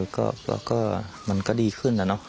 แล้วก็มันก็ดีขึ้นแล้วเนาะ